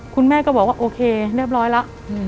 คุณแม่ก็บอกว่าโอเคเรียบร้อยแล้ว